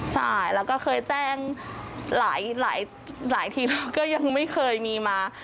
ใช่แล้วก็เคยแจ้งหลายทีมก็ยังไม่เคยมีมา